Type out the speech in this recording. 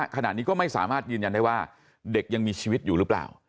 ขณะนี้ก็ไม่สามารถยืนยันได้ว่าเด็กยังมีชีวิตอยู่หรือเปล่า